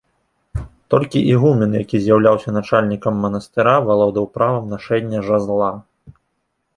Толькі ігумен, які з'яўляўся начальнікам манастыра, валодаў правам нашэння жазла.